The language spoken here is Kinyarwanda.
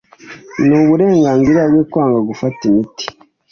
n’uburenganzira bwe kwanga gufata imiti